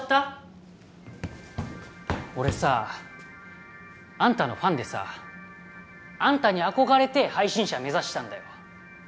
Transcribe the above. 俺さあんたのファンでさあんたに憧れて配信者目指したんだよ